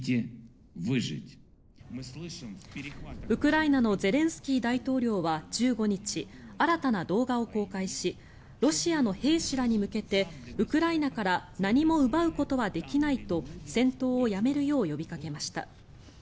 ウクライナのゼレンスキー大統領は１５日新たな動画を公開しロシアの兵士らに向けてウクライナから何も奪うことはできないと戦闘をやめるよう呼びかけました。